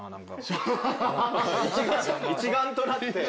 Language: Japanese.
一丸となって。